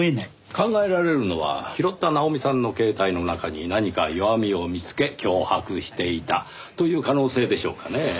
考えられるのは拾った奈穂美さんの携帯の中に何か弱みを見つけ脅迫していたという可能性でしょうかねぇ。